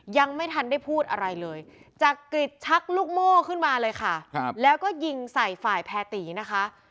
ยังไม่ทันได้พูดอะไรเลยจักริจชักลูกโม่ขึ้นมาเลยค่ะแล้วก็ยิงใส่ฝ่ายแพรตีนะคะ